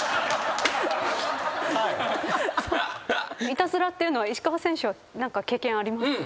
いたずらっていうのは石川選手は何か経験あります？